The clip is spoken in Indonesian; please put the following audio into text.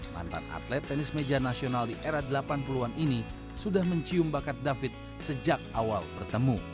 mantan atlet tenis meja nasional di era delapan puluh an ini sudah mencium bakat david sejak awal bertemu